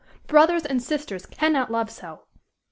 brothers and sisters cannot love so.